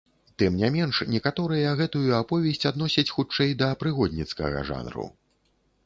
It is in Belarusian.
Тым не менш некаторыя гэтую аповесць адносяць хутчэй да прыгодніцкага жанру.